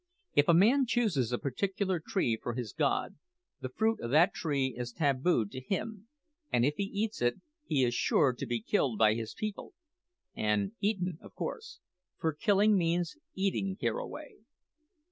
If a man chooses a particular tree for his god, the fruit o' that tree is tabued to him; and if he eats it, he is sure to be killed by his people and eaten, of course, for killing means eating hereaway.